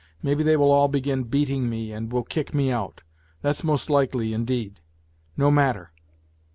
Maybe they will all begin beating me and will kick me out. That's most likely, indeed. No matter!